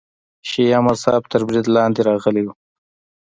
شیعه مذهب تر برید لاندې راغلی و.